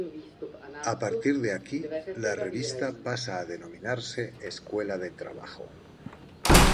A partir de aquí, la Revista pasa a denominarse Escuela de Trabajo.